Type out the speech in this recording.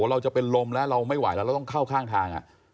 เราจะเป็นลมแล้วเราไม่ไหวแล้วเราต้องเข้าข้างทาง